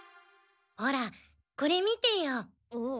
ほらこれ見てよ。